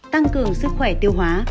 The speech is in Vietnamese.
tăng cường sức khỏe tiêu hóa